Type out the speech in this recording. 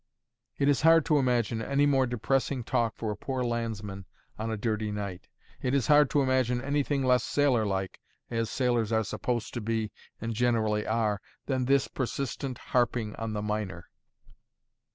It is hard to imagine any more depressing talk for a poor landsman on a dirty night; it is hard to imagine anything less sailor like (as sailors are supposed to be, and generally are) than this persistent harping on the minor.